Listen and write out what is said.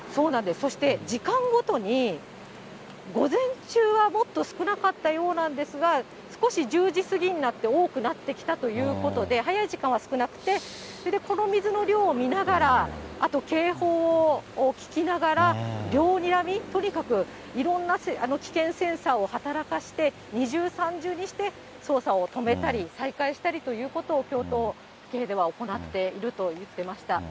そして時間ごとに、午前中はもっと少なかったようなんですが、少し１０時過ぎになって多くなってきたということで、早い時間は少なくて、それでこの水の量を見ながら、あと警報を聞きながら、両にらみ、とにかくいろんな危険センサーを働かせて、二重、三重にして捜査を止めたり、再開したりということを、京都府警では行っていると言ってました。